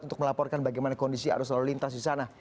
untuk melaporkan bagaimana kondisi arus lalu lintas di sana